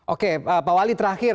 oke pak wali terakhir